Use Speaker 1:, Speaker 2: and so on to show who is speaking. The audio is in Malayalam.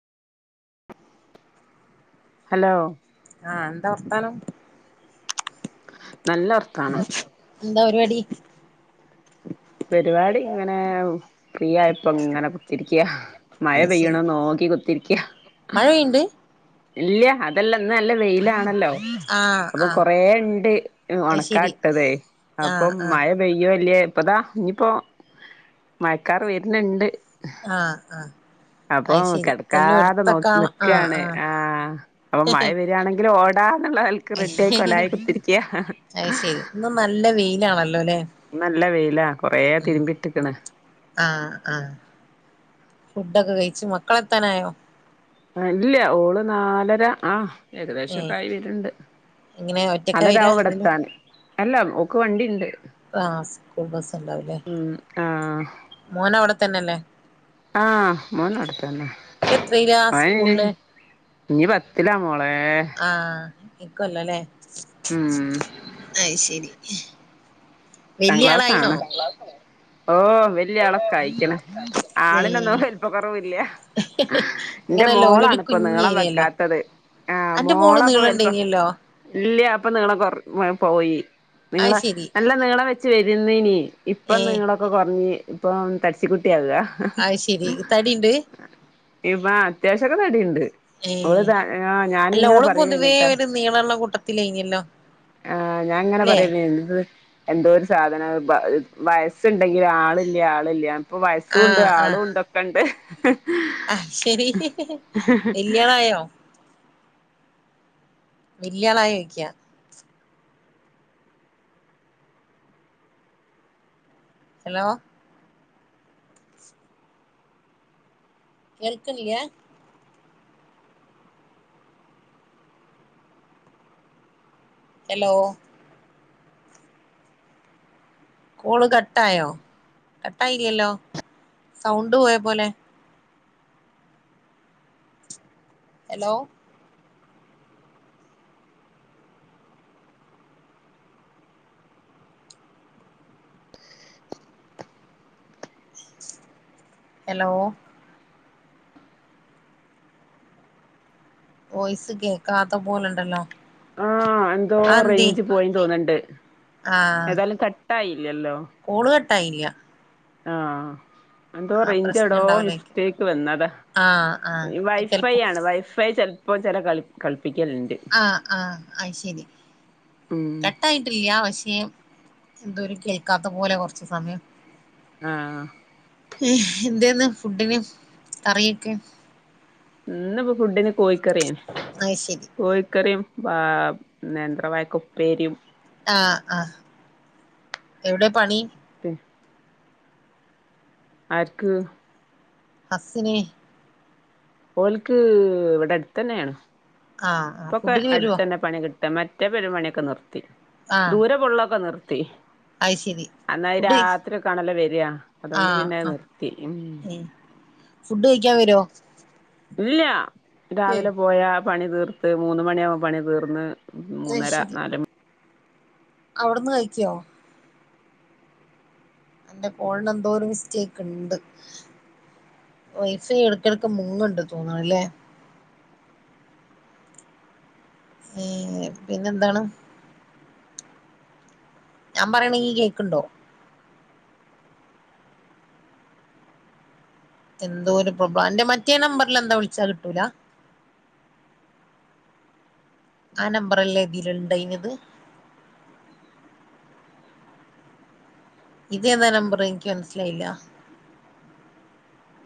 Speaker 1: ഹലോ-
Speaker 2: ആഹ് എന്താ വർത്താനം?
Speaker 1: നല്ല വർത്താനം.
Speaker 2: എന്താ പരിപാടി?
Speaker 1: പരിപാടി ഇങ്ങനെ ഫ്രീ ആയപ്പ ഇങ്ങനെ കുത്തിരിക്കയാ മഴ പെയ്യണ നോക്കി [inaudible] കുത്തിരിക്ക
Speaker 2: മഴ പെയ്യ്ണ്ട്?
Speaker 1: ഇല്ല അതെല്ല ഇന്ന് നല്ല വെയിലാണല്ലോ
Speaker 2: ആഹ്
Speaker 1: അപ്പൊ
Speaker 2: ആഹ്
Speaker 1: കൊറേ ഉണ്ട്
Speaker 2: അത് ശരി
Speaker 1: ഉണക്കാട്ടത് അപ്പൊ
Speaker 2: ആഹ് ആഹ്
Speaker 1: മഴ പെയ്യോ ഇല്ലെ ഇപ്പതാ ഇനിയിപ്പോ മഴക്കാർ വർണിണ്ട്
Speaker 2: ആഹ് ആഹ്
Speaker 1: അപ്പൊ
Speaker 2: അത് ശരി
Speaker 1: കിടക്കാതെ നോ
Speaker 2: എല്ലോടുത്തൊക്കെ ആഹ്
Speaker 1: നീക്കാണ്
Speaker 2: ആഹ്
Speaker 1: ആ അപ്പൊ മഴ വരുയാണെങ്കിലും ഓ നല്ലനിലക് റെഡിയി ആയി കൊലായി കൊത്തിരിക്കയാ
Speaker 2: അത് ശരി ഇന്ന് നല്ല
Speaker 1: നല്ല വെയി
Speaker 2: ഉ ആ ആ ഫുഡൊക്കെ കഴിച്ചു മക്കളെത്താനായോ
Speaker 1: ഇല്ല ഓള് നാലര ആ
Speaker 2: ഏഹ്
Speaker 1: ഏകദേശംക്കായി വരുണ്ട്
Speaker 2: എങ്ങനെ
Speaker 1: ന
Speaker 2: ഒറ്റക്കാ വരാ
Speaker 1: ലരാവും
Speaker 2: അല്ലല്ലോ
Speaker 1: ഇവിടെത്തൻ അല്ല ഒക്ക് വണ്ടി ഉണ്ട്
Speaker 2: ആഹ് സ്കൂൾ ബസ ഉണ്ടാവല്ലേ
Speaker 1: ഉം ആ
Speaker 2: മോന അവിടെത്തന്നെല്ലേ
Speaker 1: ആഹ മോൻടത്തന്നാ
Speaker 2: ഇപ്പ എത്രയിലാ സ്കൂളില്
Speaker 1: [unintelligible] ഇഞ് പത്തിലാ മോള
Speaker 2: ആ നിക്കല്ലോല്ലേ
Speaker 1: ഉം
Speaker 2: അയ് ശരി
Speaker 1: പത്താം
Speaker 2: വല്യയ ആളായിനോ
Speaker 1: ക്ലാസ്സാണ് ഓ വല്യ ആളൊക്കെ ആയിക്കണ ആളിനൊന്നും
Speaker 2: ഏഹ്
Speaker 1: വലുപ്പ കുറവില്ല എന്റെ
Speaker 2: ഇങ്ങനെയല്ല ഓനൊരു
Speaker 1: മോളാണ ഇപ്പോ നീളം
Speaker 2: കുഞ്ഞേനിയല്ലോ
Speaker 1: വെക്കാത്തത് ആഹ
Speaker 2: അന്റെ മോള്
Speaker 1: മോളാപ്പ വലപ്പ
Speaker 2: നീളണ്ടേനിയല്ലോ
Speaker 1: ഇല്ല പ്പ നീള കൊ പോയി
Speaker 2: അത്
Speaker 1: നിങ്ങളെ
Speaker 2: ശരി
Speaker 1: നല്ല നീളം വെച്ച് വരുന്നന്
Speaker 2: ഏ
Speaker 1: ഇപ്പം നിളൊക്കെ കുറഞ് ഇപ്പം തടി ച്ച കുട്ട
Speaker 2: അത് ശരി
Speaker 1: [unintelligible]
Speaker 2: തടിണ്ട്
Speaker 1: ഇപ്പ അത്യാവശ്യക്ക തടിണ്ട്
Speaker 2: ഏ
Speaker 1: അവള് ത ആ
Speaker 2: അല്ല
Speaker 1: ഞാനിങ്ങനെ
Speaker 2: ഓള് പൊതുവേ
Speaker 1: പറയെന്നിട്ടാ
Speaker 2: ഒരു നീളള്ള കൂട്ടത്തിലേനിയല്ലോ
Speaker 1: ആഹ് ഞാങ്ങനെ
Speaker 2: ല്ലേ
Speaker 1: പറയുന്ന എത് എന്തോ ഒരു സാധനം [unintelligible] വയസ്സുണ്ടെങ്കിൽ ആളില്ല ആളില്ല ഇപ്പോൾ വയസുണ്ട് ആളുണ്ട് ഉണ്ടൊക്കെ ഉണ്ട്
Speaker 2: ആ ശരി വല്യോളായോ വല്യാളായി ചോയിക്ക ഹലോ കേൾക്കന്നില്ല ഹലോ കോള് കട്ടായോ കട്ടായിലല്ലോ സൗണ്ട് പോയ പോലെ ഹലോ ഹലോ വോയിസ് കേൾക്കാത്ത പോലണ്ടല്ലോ
Speaker 1: ആ എന്തോ റെഞ്ച് പോയ തോന്നണ്ട്
Speaker 2: ആഹ്
Speaker 1: ഏതായാലും കട്ടായില്ല ഇല്ലല്ലോ
Speaker 2: [unintelligible]
Speaker 1: ആഹ
Speaker 2: ആ
Speaker 1: എന്തോറേഞ്ച്
Speaker 2: പ്രശ്നം
Speaker 1: എടോ
Speaker 2: ഉണ്ടാവൂലായിരിക്കും
Speaker 1: മിസ്റ്റേക്ക് വന്നതാ
Speaker 2: ആഹ് ആഹ്
Speaker 1: വൈഫൈ
Speaker 2: ചെലപ്പോ
Speaker 1: ആണ് വൈഫൈ ചെ ഇപ്പ ചില കള കള
Speaker 2: ആ ആ ആ ശരി
Speaker 1: ഉം
Speaker 2: കട്ടായിട്ടില്ല പക്ഷേ എന്തോ ഒരു കേൾക്കാത്ത പോലെ കൊറച്ച സമയം
Speaker 1: ആഹ്
Speaker 2: എന്തന്ന് ഫുഡിന് തറിയൊക്കെ
Speaker 1: ഇന്നുപ്പോ ഫുഡിന് കോഴിക്കറിയാണ്
Speaker 2: അത് ശരി
Speaker 1: കോഴിക്കറിയും വ നേന്ത്രമായായക്ക ഉപ്പേരിയും
Speaker 2: ആഹ് ആഹ് എവിടെ പണി
Speaker 1: [unintelligible] അർക്ക്
Speaker 2: ഹസ്സിനെ
Speaker 1: ഓലക്ക് ഇവിടെ അടുത്ത തന്നെയ ആണ്
Speaker 2: ആഹ് ആഹ്
Speaker 1: ഇപ്പൊക്കെ
Speaker 2: ഫുഡിന് വരുവോ
Speaker 1: അടുത്തതന്നെ പണി കിട്ട മറ്റ മറ്റെപരുമണിയൊക്കെ നിർത്തി ദൂരെ പെ കലെക്കെ നിർത്തി.
Speaker 2: അയ് ശരി.
Speaker 1: അന്നാൽ
Speaker 2: ഫുഡ്
Speaker 1: രാത്രി കാണല വരിയ അതുകൊണ്ട്
Speaker 2: ആഹ്
Speaker 1: പിന്നെ അത്
Speaker 2: ആഹ്
Speaker 1: നിർത്തി. ഉം
Speaker 2: ഫുഡ് കഴിക്കാൻ വരുവോ?
Speaker 1: ഇല്ല രാവിലെ പോയാ പണി തീർത്ത് മൂന്ന് മണിയാവും പണി തീർന്ന്
Speaker 2: അത്
Speaker 1: മൂന്നര
Speaker 2: ശരി
Speaker 1: നാല് മണ
Speaker 2: അവിടുന്ന് കഴിക്കോ? എന്റെ കോളന് എന്തോ ഒരു മിസ്റ്റേക്ക് ഉണ്ട്. വൈഫയ് ഇടക്കിടക്ക് മുങ്ങുണ്ട്. തോന്നണല്ലേ? ഏ പിന്നെ എന്താണ്? ഞാൻ പറയണെങ്കി കേക്കണ്ടോ? എന്തോരുപ്പോ മറ്റേ നമ്പറിൽ എന്താ വിളിച്ചാ കിട്ടൂല? ആ നമ്പറല്ല ഇതില ഇണ്ടായിന്നത്. ഇതെതാ നമ്പർ എനിക്ക് മനസിലായില്ല?